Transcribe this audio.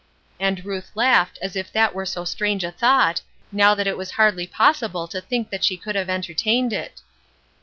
And Ruth laughed as if that were so strange a thought, now that it was hardly possible to think that she could have entertained it.